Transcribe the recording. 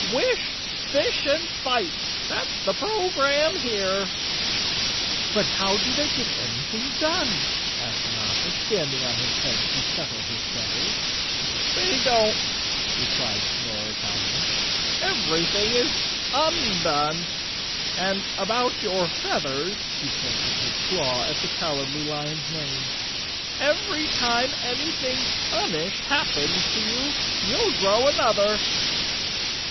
Wish, fish and fight—that's the program here." "But how do they get anything done?" asked Notta, standing on his head to settle his feathers. \They don't," replied Snorer calmly. "Everything is undone; and about your feathers," he pointed his claw at the Cowardly Lion's mane, "every time any¬ thing unish happens to you you'll grow another.